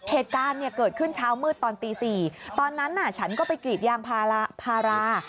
เหตุการณ์เกิดขึ้นเช้ามืดตอนตี๔ตอนนั้นฉันก็ไปกรีดยางพารา